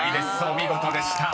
お見事でした］